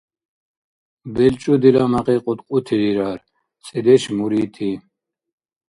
БелчӀудила мякьи кьудкьути дирар, цӀедеш — мурити.